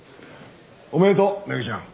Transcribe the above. おめでとうメグちゃん。